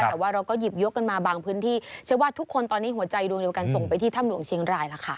แต่ว่าเราก็หยิบยกกันมาบางพื้นที่เชื่อว่าทุกคนตอนนี้หัวใจดวงเดียวกันส่งไปที่ถ้ำหลวงเชียงรายแล้วค่ะ